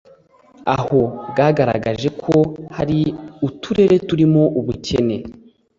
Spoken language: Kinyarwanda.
aho bwagaragaje ko hari uturere turimo ubukene